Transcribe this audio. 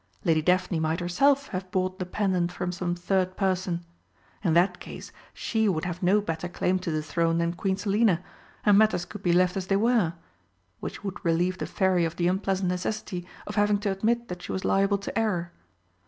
Lady Daphne might herself have bought the pendant from some third person. In that case she would have no better claim to the throne than Queen Selina, and matters could be left as they were which would relieve the Fairy of the unpleasant necessity of having to admit that she was liable to error.